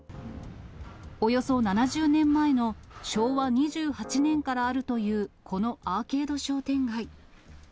およそ７０年前の昭和２８年からあるという、このアーケード商店街。